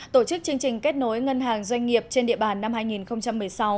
tổ chức chương trình kết nối ngân hàng doanh nghiệp trên địa bàn năm hai nghìn một mươi sáu